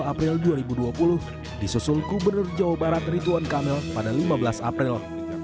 dua puluh april dua ribu dua puluh disusul gubernur jawa barat rituan kamil pada lima belas april